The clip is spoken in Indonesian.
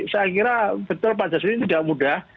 saya kira betul pak zajuli tidak mudah